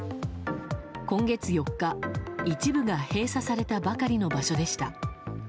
今月４日、一部が閉鎖されたばかりの場所でした。